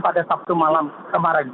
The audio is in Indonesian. pada sabtu malam kemarin